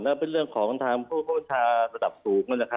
และเป็นเรื่องทางผู้ประวัติศาสตร์ระดับสูง